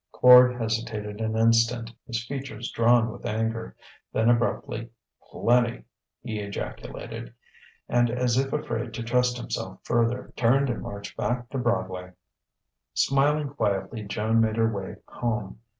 Quard hesitated an instant, his features drawn with anger. Then abruptly: "Plenty!" he ejaculated, and as if afraid to trust himself further, turned and marched back to Broadway. Smiling quietly, Joan made her way home.